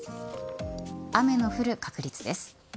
雨の降る確率です。